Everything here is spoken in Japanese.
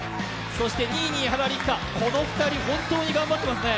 そして２位に伊原六花、この２人本当に頑張ってますね。